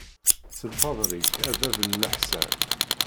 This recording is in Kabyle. S lfeḍl-ik a bab n leḥsan.